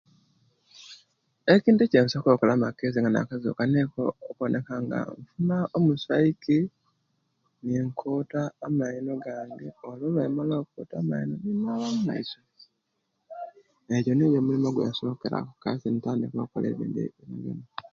Ekintu ekyensoboola kola amakeri nga nakazuka niiko kuboneka nga nfuuna omuswaikyi niikuuta amaino gange olwemala okuuta amaino ninaba mumaiso ejjo nijo emirimo jensokeraku kaisi niikola emirimo jiindi.